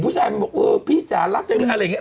ผู้หญิงว่าอืมพี่จะรับจังหรืออะไรอย่างเงี้ย